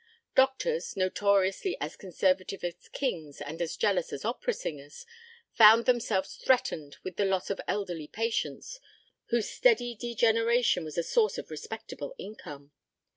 Doctors, notoriously as conservative as kings and as jealous as opera singers, found themselves threatened with the loss of elderly patients whose steady degeneration was a source of respectable income.